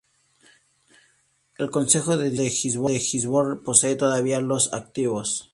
El Consejo de Distrito de Gisborne posee todavía los activos.